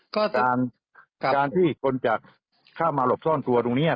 ก็การที่คนจะเข้ามาหลบซ่อนตัวตรงนี้